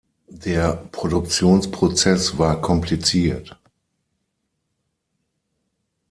Der Produktionsprozess war kompliziert.